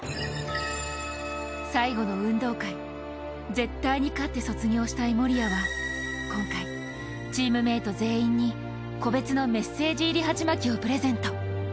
絶対に勝って卒業したい守屋は今回チームメイト全員に個別のメッセージ入りハチマキをプレゼント。